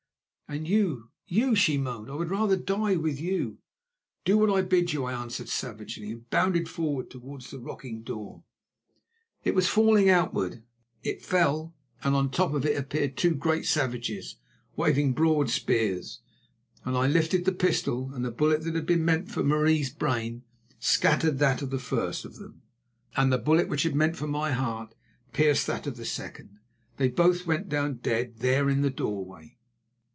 "And you, you," she moaned. "I would rather die with you." "Do what I bid you," I answered savagely, and bounded forward towards the rocking door. It was falling outward, it fell, and on the top of it appeared two great savages waving broad spears. I lifted the pistol, and the bullet that had been meant for Marie's brain scattered that of the first of them, and the bullet which had been meant for my heart pierced that of the second. They both went down dead, there in the doorway.